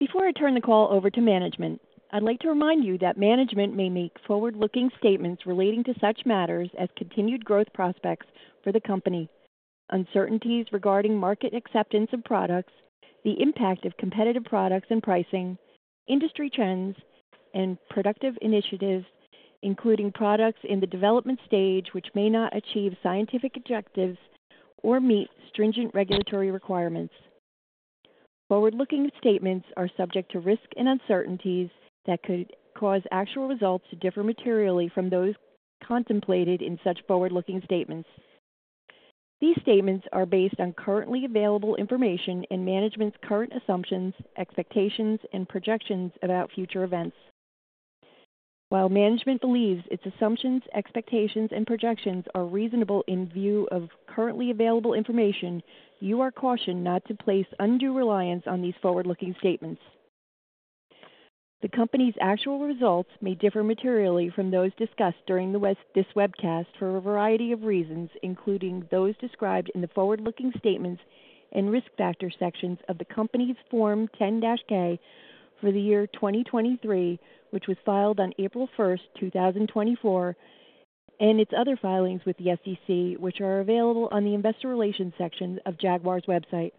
Before I turn the call over to management, I'd like to remind you that management may make forward-looking statements relating to such matters as continued growth prospects for the company, uncertainties regarding market acceptance of products, the impact of competitive products and pricing, industry trends, and productive initiatives, including products in the development stage which may not achieve scientific objectives or meet stringent regulatory requirements. Forward-looking statements are subject to risk and uncertainties that could cause actual results to differ materially from those contemplated in such forward-looking statements. These statements are based on currently available information and management's current assumptions, expectations, and projections about future events. While management believes its assumptions, expectations, and projections are reasonable in view of currently available information, you are cautioned not to place undue reliance on these forward-looking statements. The company's actual results may differ materially from those discussed during this webcast for a variety of reasons, including those described in the forward-looking statements and risk factor sections of the company's Form 10-K for the year 2023, which was filed on April 1st, 2024, and its other filings with the SEC, which are available on the investor relations section of Jaguar's website.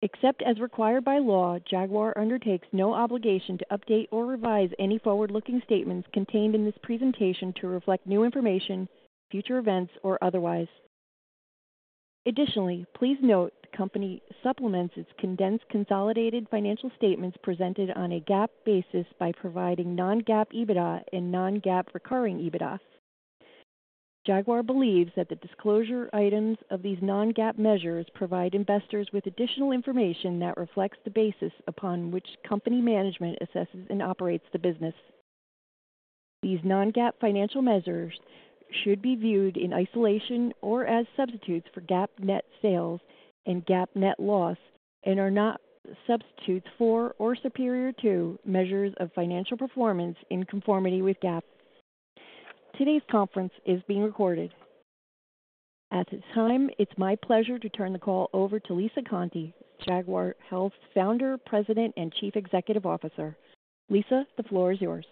Except as required by law, Jaguar undertakes no obligation to update or revise any forward-looking statements contained in this presentation to reflect new information, future events, or otherwise. Additionally, please note the company supplements its condensed consolidated financial statements presented on a GAAP basis by providing non-GAAP EBITDA and non-GAAP recurring EBITDA. Jaguar believes that the disclosure items of these non-GAAP measures provide investors with additional information that reflects the basis upon which company management assesses and operates the business. These non-GAAP financial measures should be viewed in isolation or as substitutes for GAAP net sales and GAAP net loss and are not substitutes for or superior to measures of financial performance in conformity with GAAP. Today's conference is being recorded. At this time, it's my pleasure to turn the call over to Lisa Conte, Jaguar Health Founder, President, and Chief Executive Officer. Lisa, the floor is yours.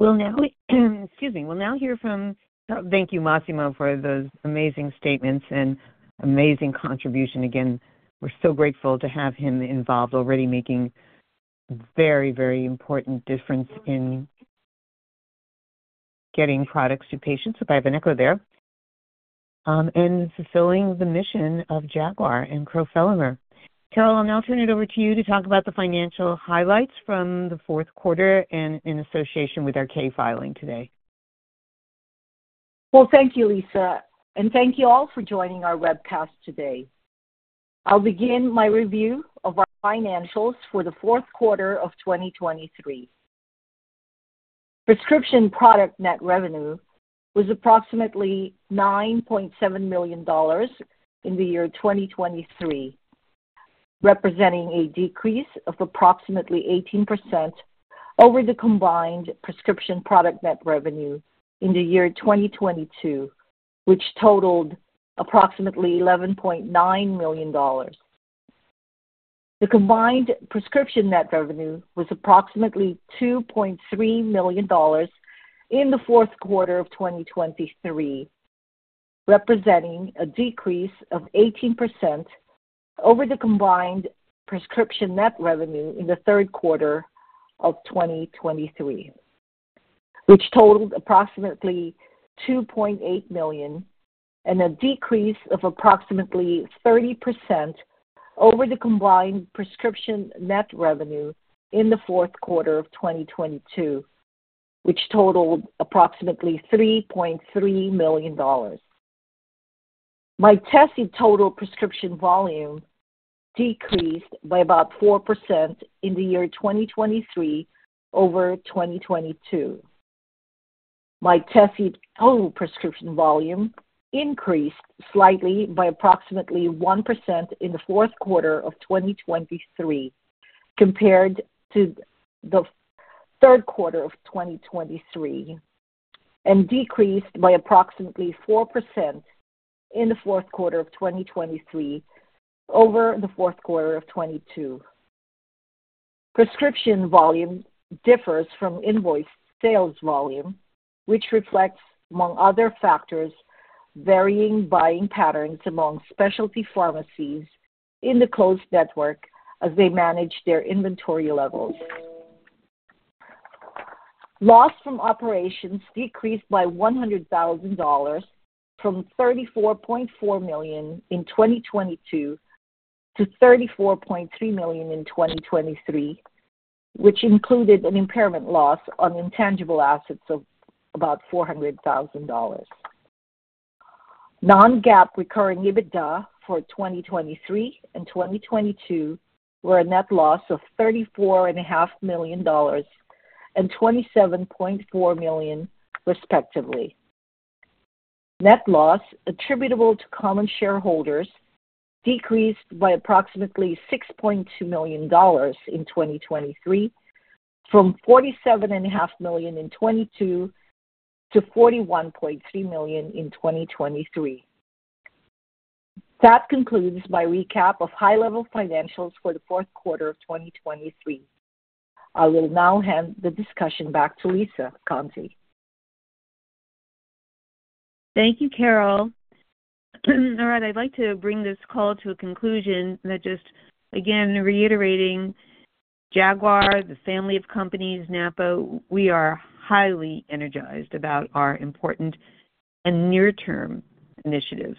We'll now hear from. Thank you, Massimo, for those amazing statements and amazing contribution. Again, we're so grateful to have him involved already making a very, very important difference in getting products to patients. I have an echo there. And fulfilling the mission of Jaguar and crofelemer. Carol, I'll now turn it over to you to talk about the financial highlights from the fourth quarter and in association with our 10-K filing today. Well, thank you, Lisa, and thank you all for joining our webcast today. I'll begin my review of our financials for the fourth quarter of 2023. Prescription product net revenue was approximately $9.7 million in the year 2023, representing a decrease of approximately 18% over the combined prescription product net revenue in the year 2022, which totaled approximately $11.9 million. The combined prescription net revenue was approximately $2.3 million in the fourth quarter of 2023, representing a decrease of 18% over the combined prescription net revenue in the third quarter of 2023, which totaled approximately $2.8 million and a decrease of approximately 30% over the combined prescription net revenue in the fourth quarter of 2022, which totaled approximately $3.3 million. Mytesi total prescription volume decreased by about 4% in the year 2023 over 2022. Mytesi total prescription volume increased slightly by approximately 1% in the fourth quarter of 2023 compared to the third quarter of 2023 and decreased by approximately 4% in the fourth quarter of 2023 over the fourth quarter of 2022. Prescription volume differs from invoice sales volume, which reflects, among other factors, varying buying patterns among specialty pharmacies in the closed network as they manage their inventory levels. Loss from operations decreased by $100,000 from $34.4 million in 2022 to $34.3 million in 2023, which included an impairment loss on intangible assets of about $400,000. Non-GAAP recurring EBITDA for 2023 and 2022 were a net loss of $34.5 million and $27.4 million, respectively. Net loss attributable to common shareholders decreased by approximately $6.2 million in 2023 from $47.5 million in 2022 to $41.3 million in 2023. That concludes my recap of high-level financials for the fourth quarter of 2023. I will now hand the discussion back to Lisa Conte. Thank you, Carol. All right, I'd like to bring this call to a conclusion that just, again, reiterating Jaguar, the family of companies, Napo, we are highly energized about our important and near-term initiatives.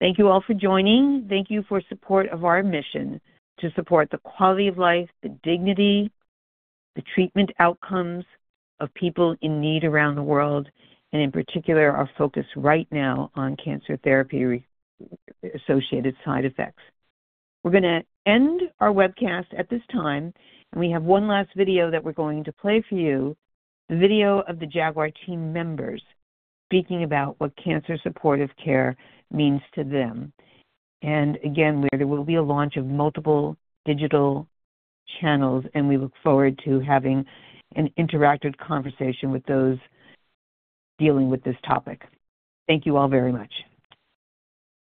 Thank you all for joining. Thank you for support of our mission to support the quality of life, the dignity, the treatment outcomes of people in need around the world, and in particular, our focus right now on cancer therapy-associated side effects. We're going to end our webcast at this time, and we have one last video that we're going to play for you, the video of the Jaguar team members speaking about what cancer-supportive care means to them. And again, there will be a launch of multiple digital channels, and we look forward to having an interactive conversation with those dealing with this topic. Thank you all very much.